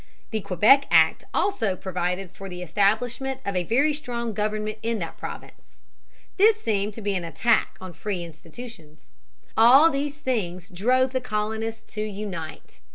The Quebec Act also provided for the establishment of a very strong government in that province. This seemed to be an attack on free institutions. All these things drove the colonists to unite.